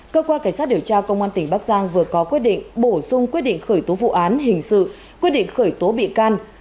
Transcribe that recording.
cơ quan cảnh sát điều tra công an tỉnh bắc giang vừa có quyết định bổ sung quyết định khởi tố vụ án hình sự quyết định khởi tố bị can